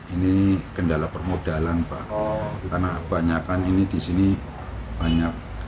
ini kendala permodalan pak karena banyakan ini di sini banyak